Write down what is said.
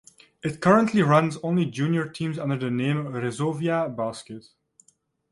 It currently runs only junior teams under the name Resovia Basket.